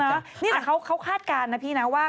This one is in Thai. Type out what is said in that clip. นี่แต่เขาคาดการณ์นะพี่นะว่า